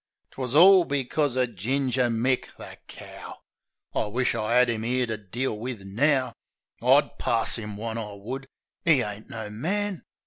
'Twus orl becors uv Ginger Mick — the cow! (I wish't I 'ad 'im 'ere to deal wi\r now! I'd pass 'im one, I would! 'E ain't no man!)